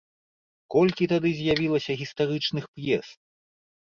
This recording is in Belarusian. Колькі тады з'явілася гістарычных п'ес!